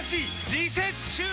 リセッシュー！